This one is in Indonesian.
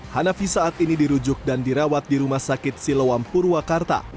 hanafi saat ini dirujuk dan dirawat di rumah sakit siloam purwakarta